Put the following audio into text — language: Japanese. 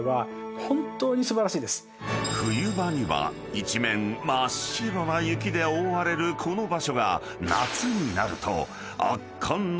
［冬場には一面真っ白な雪で覆われるこの場所が］